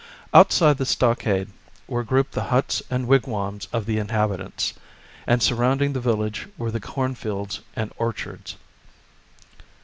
Outside the stockade were grouped the huts and wigwams of the inhabitants, and surrounding the village were the cornfields and orchards.